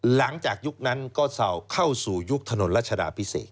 หลังจากยุคนั้นก็เศร้าเข้าสู่ยุคนรัชดาพิเศก